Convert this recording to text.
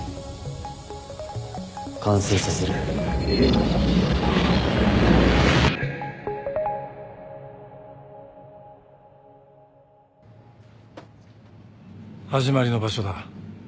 完成させる始まりの場所だ。